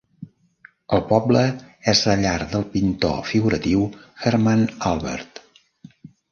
El poble és la llar del pintor figuratiu Hermann Albert.